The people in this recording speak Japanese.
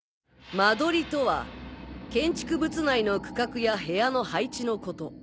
間取りとは建築物内の区画や部屋の配置のこと。